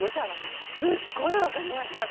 すっごい分かりました。